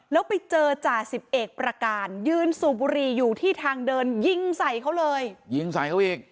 แล้วไปเจอจ่าสิบเอกประการยืนสูบบุรีอยู่ที่ทางเดินยิงใส่เขาเลยยิงใส่เขาอีก